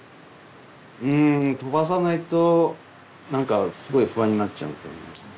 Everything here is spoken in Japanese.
うん飛ばさないと何かすごい不安になっちゃうんですよね。